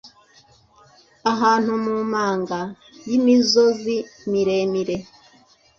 ahantu mu manga y’imizozi miremire